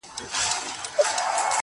حمزه بابا پر دې اړه نثري لیکنې هم لري